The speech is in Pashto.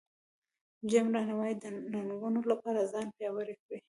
جیم ران وایي د ننګونو لپاره ځان پیاوړی کړئ.